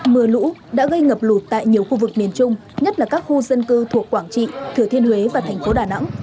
mưa lũ đã gây ngập lụt tại nhiều khu vực miền trung nhất là các khu dân cư thuộc quảng trị thừa thiên huế và thành phố đà nẵng